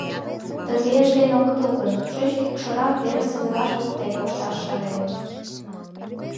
Тыге ыштен огытыл гын, тушеч кӱкшырак верысе леваш воктек кошташ шареныт.